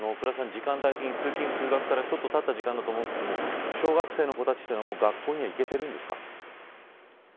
時間帯的に、通勤通学からちょっと経った時間だとも思いますけど小学生の子たちは、もう学校には行けているんですか。